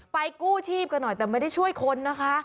กู้ชีพกันหน่อยแต่ไม่ได้ช่วยคนนะคะ